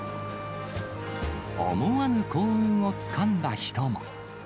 思わぬ幸運をつかんだ人も。